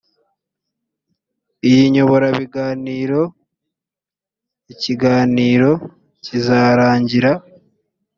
iyi nyoborabiganiro ikiganiro kizarangira